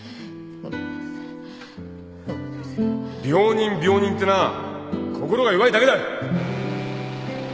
病人病人ってな心が弱いだけだ